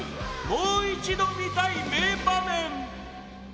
もう一度見たい、名場面！